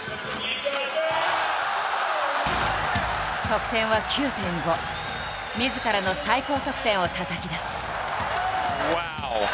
得点はみずからの最高得点をたたき出す。